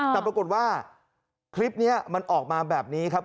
แต่ปรากฏว่าคลิปนี้มันออกมาแบบนี้ครับ